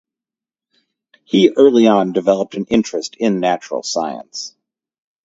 He early on developed an interest in natural science.